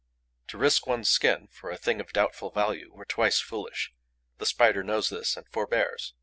To risk one's skin for a thing of doubtful value were twice foolish. The Spider knows this and forbears.